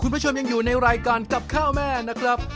เราเริ่มจากบ้านของสาวซานิกับคุณแม่นะครับ